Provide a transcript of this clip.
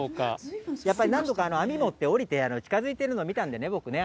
やっぱり何度か網持って降りて、近づいてるの見たんでね、僕ね。